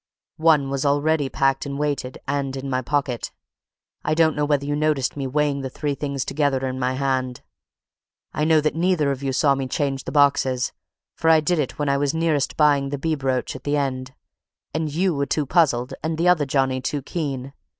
One was already packed and weighted, and in my pocket. I don't know whether you noticed me weighing the three things together in my hand? I know that neither of you saw me change the boxes, for I did it when I was nearest buying the bee brooch at the end, and you were too puzzled, and the other Johnny too keen.